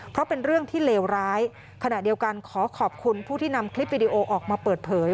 เพราะเป็นเรื่องที่เลวร้ายขณะเดียวกันขอขอบคุณผู้ที่นำคลิปวิดีโอออกมาเปิดเผย